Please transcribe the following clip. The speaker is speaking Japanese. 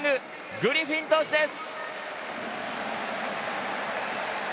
グリフィン投手です！